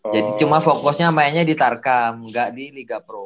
jadi cuma fokusnya mainnya di tarkam gak di liga pro